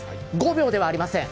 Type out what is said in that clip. ５秒ではありません。